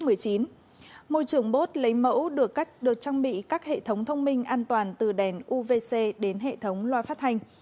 môi trường bốt lấy mẫu được trang bị các hệ thống thông minh an toàn từ đèn uvc đến hệ thống loa phát hành